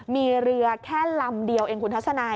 มีเรือแค่ลำเดียวเองคุณทัศนาย